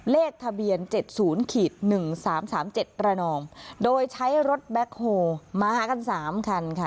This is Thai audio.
เลขทะเบียน๗๐๑๓๓๗ระนองโดยใช้รถแบ็คโฮมากัน๓คันค่ะ